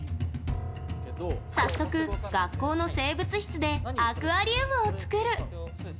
早速、学校の生物室でアクアリウムを作る。